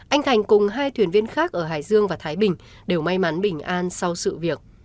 anh thành cùng hai thuyền viên khác ở hải dương và thái bình đều may mắn bình an sau sự việc